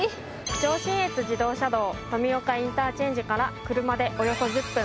上信越自動車道富岡インターチェンジから車でおよそ１０分。